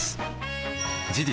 事実